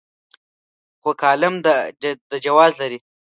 خو کالم دا جواز لري.